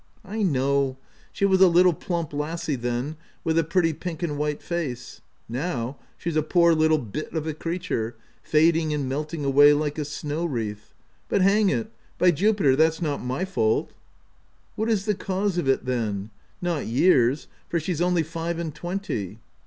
ff I know — she was a little plump lassie then, with a pretty pink and white face : now, she's a poor little bit of a creature, fading and melting away like a snow wreath — but hang it !— by Jupiter, that's not my fault VI " What is the cause of it then ? Not years, for she's only five and twenty.''